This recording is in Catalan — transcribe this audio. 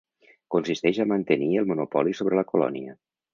Consisteix a mantenir el monopoli sobre la colònia.